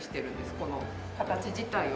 この形自体を。